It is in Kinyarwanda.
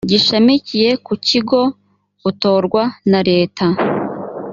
gishamikiye ku kigo utorwa na leta